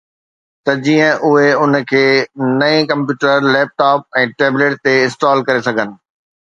ته جيئن اهي ان کي نئين ڪمپيوٽر، ليپ ٽاپ ۽ ٽيبليٽ تي انسٽال ڪري سگهن